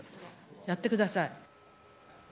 やってください。